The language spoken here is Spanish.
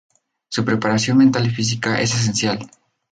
Su preparación mental y física es esencial.